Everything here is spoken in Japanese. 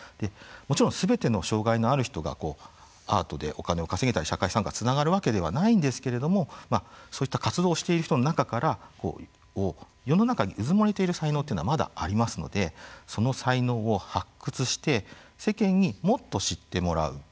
もちろんすべての障害のある人がアートでお金を稼げたり社会参加につながるわけではないんですけれどもそういった活動している人の中から世の中に、うずもれている才能っていうのはまだありますのでその才能を発掘して世間にもっと知ってもらう。